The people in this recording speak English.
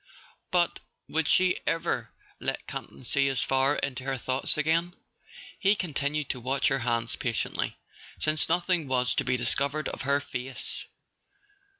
But would she ever let Campton see as far into her thoughts again ? He continued to watch her hands patiently, since nothing was to be discovered of her face.